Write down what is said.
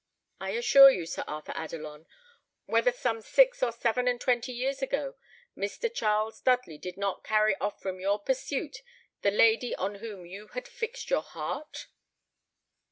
I ask you, Sir Arthur Adelon, whether some six or seven and twenty years ago, Mr. Charles Dudley did not carry off from your pursuit, the lady on whom you had fixed your heart?"